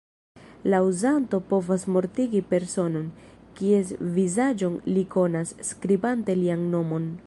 La uzanto povas mortigi personon, kies vizaĝon li konas, skribante lian nomon.